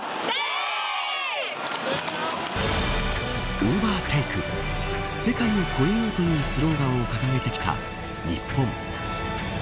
オーバーテイク世界を超えようというスローガンを掲げてきた日本。